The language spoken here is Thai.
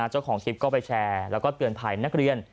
เจ้าของคลิปก็ไปแชร์แล้วก็เตือนภัยนักเรียน